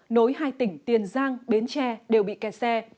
nối hai tỉnh tiền giang bến tre đều bị kè xe